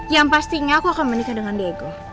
yang pastinya aku akan menikah dengan diego